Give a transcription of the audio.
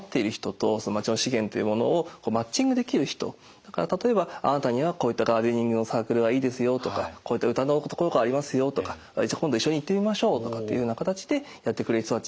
だから例えば「あなたにはこういったガーデニングのサークルがいいですよ」とか「こういった歌のところがありますよ」とか「今度一緒に行ってみましょう」とかっていうような形でやってくれる人たち。